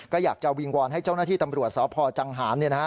ก็อยากจะวิงวอนให้เจ้าหน้าที่ตำรวจสพจังหาร